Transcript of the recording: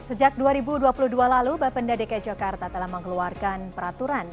sejak dua ribu dua puluh dua lalu bapenda dki jakarta telah mengeluarkan peraturan